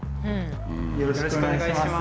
よろしくお願いします。